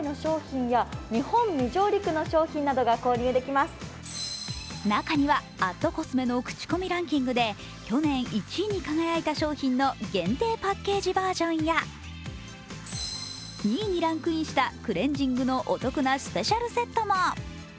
そして中には＠ｃｏｓｍｅのクチコミランキングで去年１位に輝いた商品の限定パッケージバージョンや２位にランクインしたクレンジングのお得なスペシャルセットも。